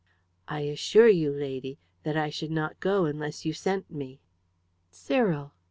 "I assure you, lady, that I should not go unless you sent me!" "Cyril!"